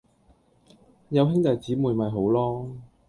有兄弟姐妹咪好囉